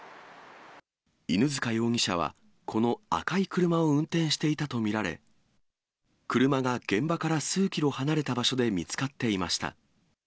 犬塚容疑者は、この赤い車を運転していたと見られ、車が現場から数キロ離れた場所で見つかっていました。